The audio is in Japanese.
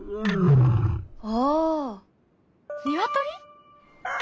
ああニワトリ？